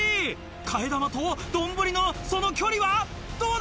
替え玉と丼のその距離はどうだ？